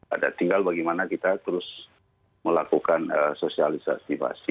ada tinggal bagaimana kita terus melakukan sosialisasi pasti